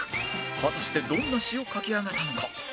果たしてどんな詞を書き上げたのか？